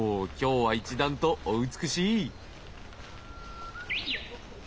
今日は一段とお美しい！